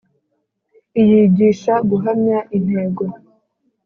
iyigisha guhamya intego